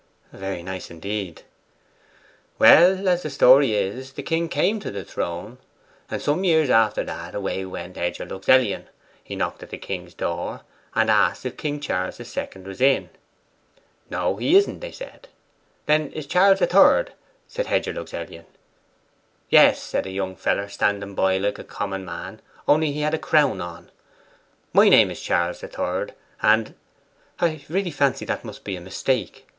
'Very nice indeed.' 'Well, as the story is, the king came to the throne; and some years after that, away went Hedger Luxellian, knocked at the king's door, and asked if King Charles the Second was in. "No, he isn't," they said. "Then, is Charles the Third?" said Hedger Luxellian. "Yes," said a young feller standing by like a common man, only he had a crown on, "my name is Charles the Third." And ' 'I really fancy that must be a mistake.